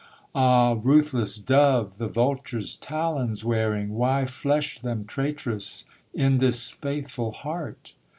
Ah ruthless dove, the vulture's talons wearing, Why flesh them, traitress, in this faithful heart?